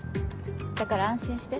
だから安心して。